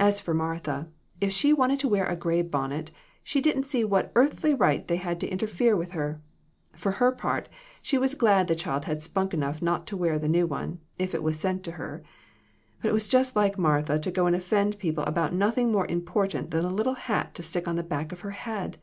As for Martha, if she wanted to wear a gray bonnet, she didn't see what earthly right they had to interfere with her. For her part, she was glad the child had spunk enough not to wear the new one, if it was sent to her. But it was just like Martha to go and offend people about nothing more important than a little hat to stick on the back of her head